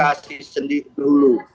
praktikasi sendiri dulu